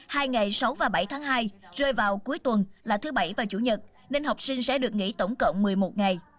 hai ngày sáu và bảy tháng hai rơi vào cuối tuần là thứ bảy và chủ nhật nên học sinh sẽ được nghỉ tổng cộng một mươi một ngày